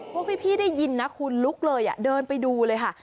ว่าพี่ได้ยินนะคุณลุกเลยเดินไปดูเลยค่ะ